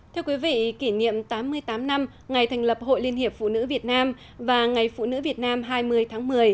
thưa quý vị kỷ niệm tám mươi tám năm ngày thành lập hội liên hiệp phụ nữ việt nam và ngày phụ nữ việt nam hai mươi tháng một mươi